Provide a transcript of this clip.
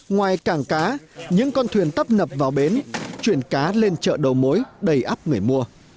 ngoài cảng cá những con thuyền tấp nập vào bến chuyển cá lên chợ đầu mối đầy ấp người mua